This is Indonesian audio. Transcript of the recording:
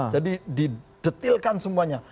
jadi didetilkan semuanya